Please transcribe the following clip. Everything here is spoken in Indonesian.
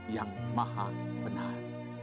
yang maha benar